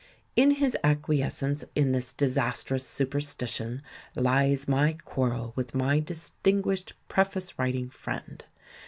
In his acqui escence in this disastrous superstition lies my quarrel with my distinguished preface writing friend.